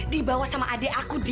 dibawa sama adik aku di